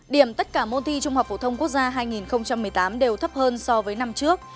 điểm tất cả môn thi trung học phổ thông quốc gia hai nghìn một mươi tám đều thấp hơn so với năm trước